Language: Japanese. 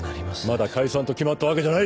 まだ解散と決まったわけじゃない。